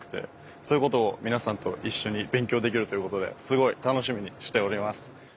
そういうことを皆さんと一緒に勉強できるということですごい楽しみにしております。